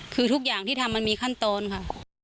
คือทุกอย่างที่ทำมันมีขั้นตอนค่ะ